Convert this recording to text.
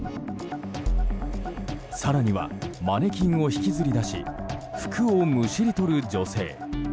更にはマネキンを引きずり出し服をむしり取る女性。